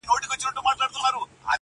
پاچهي به هيچا نه كړل په كلونو!!